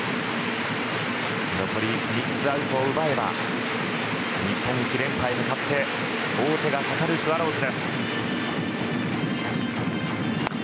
残り３つアウトを奪えば日本一、連覇へ向かって王手がかかるスワローズ。